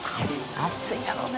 熱いんだろうね。